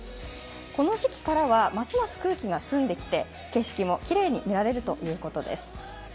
この時期からはますます空気が澄んできて景色もきれいに見られるということです。